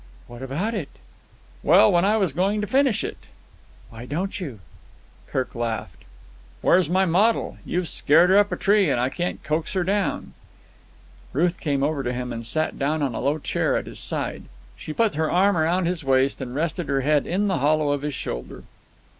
"What about it?" "Well, when I was going to finish it." "Why don't you?" Kirk laughed. "Where's my model? You've scared her up a tree, and I can't coax her down." Ruth came over to him and sat down on a low chair at his side. She put her arm round his waist and rested her head in the hollow of his shoulder.